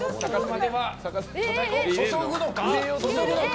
注ぐのか？